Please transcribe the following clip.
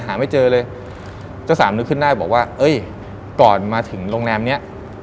หาไม่เจอเลยเจ้าสามนึกขึ้นได้บอกว่าเอ้ยก่อนมาถึงโรงแรมเนี้ย